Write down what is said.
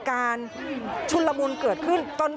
การชุลละบุลเกิดขึ้นตอนช่วง